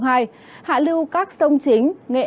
hạ lưu các sông chính